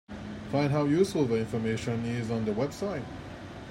Find how useful the information is on the website.